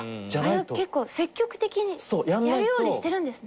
あれは結構積極的にやるようにしてるんですね。